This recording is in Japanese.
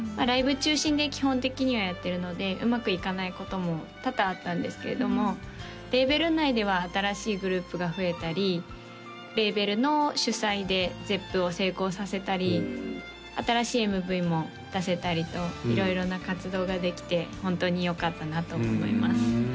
ライブ中心で基本的にはやってるのでうまくいかないことも多々あったんですけれどもレーベル内では新しいグループが増えたりレーベルの主催でＺｅｐｐを成功させたり新しいＭＶも出せたりと色々な活動ができてホントによかったなと思います